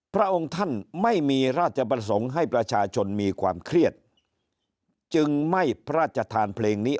พระองค์ท่านไม่มีราชประสงค์ให้ประชาชนมีความเครียดจึงไม่พระราชทานเพลงนี้